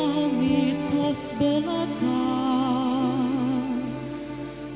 kami tas belakang